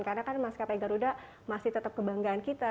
karena kan mas kpi garuda masih tetap kebanggaan kita